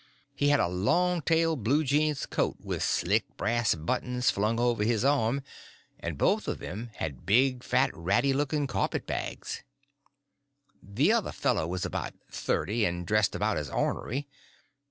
He had an old long tailed blue jeans coat with slick brass buttons flung over his arm, and both of them had big, fat, ratty looking carpet bags. The other fellow was about thirty, and dressed about as ornery.